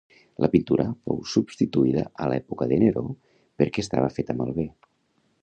La pintura fou substituïda a l'època de Neró perquè estava feta malbé.